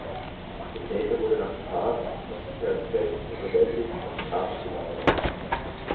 Der Täter wurde nach der Tat von Sicherheitskräften überwältigt und kam in Gewahrsam.